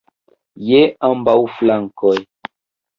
Je ambaŭ flankoj!